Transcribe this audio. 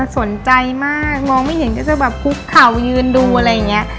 สนใจมากมองไม่เห็นก็จะแบบคุกเข่ายืนดูอะไรอย่างนี้